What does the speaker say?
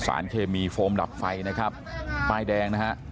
สารเคมีโฟมดับไฟนะครับป้ายแดงนะฮะ